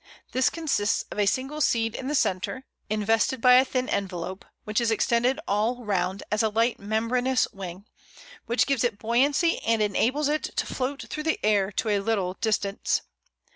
This consists of a single seed in the centre, invested by a thin envelope, which is extended all round as a light membranous wing, which gives it buoyancy and enables it to float through the air to a little distance.